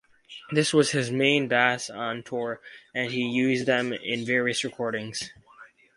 This was his main bass on tour and he used them in various recordings.